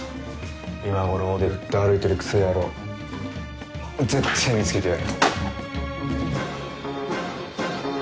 今頃大手振って歩いてるクソ野郎ぜってぇ見つけてやる。